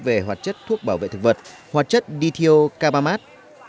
về hoạt chất thuốc bảo vệ thực vật hoạt chất dithio k ba mat